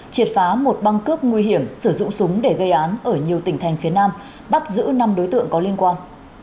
triệt phá một băng cướp nguy hiểm sử dụng súng để gây án ở nhiều tỉnh thành phía nam bắt giữ năm đối tượng có liên quan